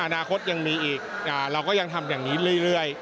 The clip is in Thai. อนาคตยังมีอีกเราก็ยังทำอย่างนี้เรื่อย